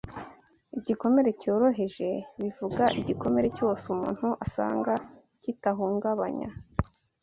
igikomere cyoroheje bivuga igikomere cyose umuntu asanga kitahungabanya